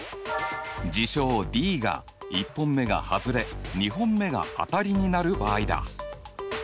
事象Ｄが１本目がはずれ２本目が当たりになる場合だ。